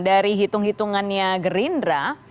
dari hitung hitungannya gerindra